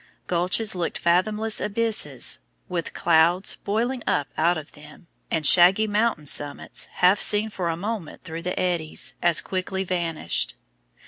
Gulches looked fathomless abysses, with clouds boiling up out of them, and shaggy mountain summits, half seen for a moment through the eddies, as quickly vanished.